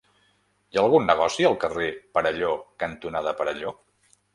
Hi ha algun negoci al carrer Perelló cantonada Perelló?